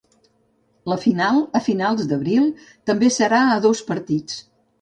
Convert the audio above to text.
La final, a finals d'abril, també serà a dos partits.